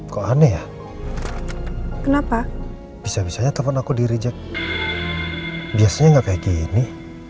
kok aneh ya kenapa bisa bisanya telepon aku di reject biasanya nggak kayak gini